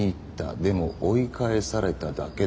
でも追い返されただけだった。